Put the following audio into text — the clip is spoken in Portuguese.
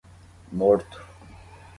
Morto.